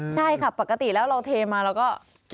ใช่ค่ะปกติแล้วเราเทมาเราก็